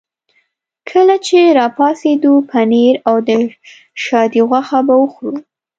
کله چې را پاڅېدو پنیر او د شادي غوښه به وخورو.